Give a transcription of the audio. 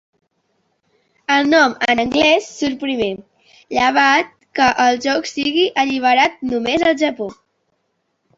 El nom en anglès surt primer, llevat que el joc sigui alliberat només al Japó.